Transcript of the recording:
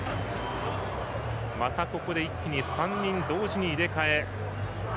またここで一気に３人同時に入れ替え。